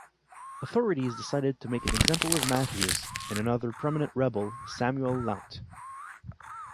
Authorities decided to make an example of Matthews and another prominent rebel, Samuel Lount.